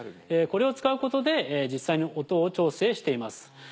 これを使うことで実際に音を調整しています。